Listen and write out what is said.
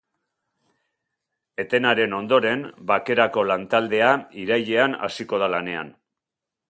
Etenaren ondoren, bakerako lantaldea irailean hasiko da lanean.